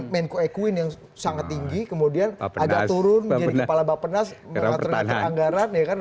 menkoekuin yang sangat tinggi kemudian ada turun kepala bapak penas peranggaran dengan